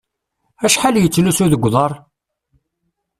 Acḥal yettlusu deg uḍaṛ?